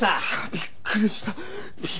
びっくりした。